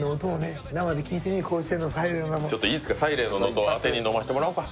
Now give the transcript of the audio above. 甲子園のサイレンの生ちょっといいですかサイレンの音をあてに飲ませてもらおうか